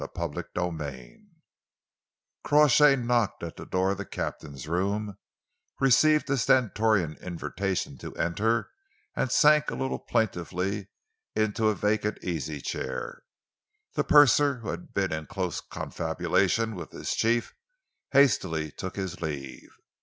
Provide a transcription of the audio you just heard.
CHAPTER VI Crawshay knocked at the door of the captain's room, received a stentorian invitation to enter, and sank a little plaintively into a vacant easy chair. The purser, who had been in close confabulation with his chief, hastily took his leave.